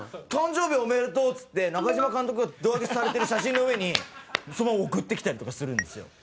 「誕生日おめでとう」っつって中嶋監督が胴上げされてる写真の上に送ってきたりとかするんですよ。